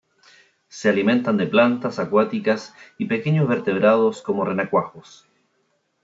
Se alimentan de plantas acuáticas y pequeños vertebrados como renacuajos.